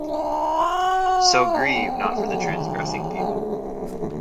So grieve not for the transgressing people.